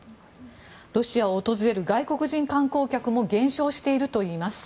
ロシアを訪れる外国人観光客も減少しているといいます。